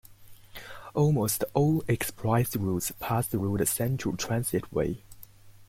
Almost all express routes pass through the Central Transitway.